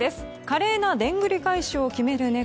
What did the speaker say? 華麗なでんぐり返しを決める猫。